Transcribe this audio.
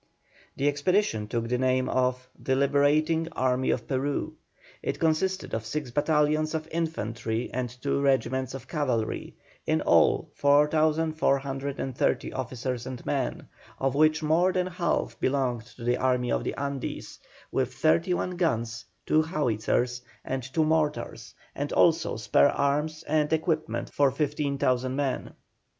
The expedition took the name of "The Liberating Army of Peru." It consisted of six battalions of infantry and two regiments of cavalry, in all 4,430 officers and men, of which more than half belonged to the Army of the Andes, with thirty one guns, two howitzers, and two mortars, and also spare arms and equipment for 15,000 men.